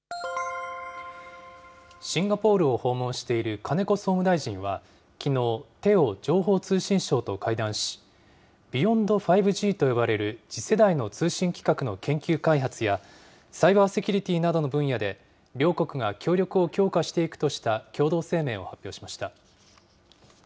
シンガポールを訪問している金子総務大臣はきのう、テオ情報通信相と会談し、ビヨンド５Ｇと呼ばれる次世代の通信規格の研究開発や、サイバーセキュリティーなどの分野で両国が協力を強化していくとした共同声明を発表しました。